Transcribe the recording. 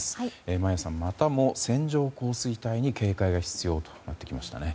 眞家さん、またも線状降水帯に警戒が必要となってきましたね。